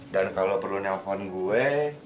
dan kalau perlu nelfon gue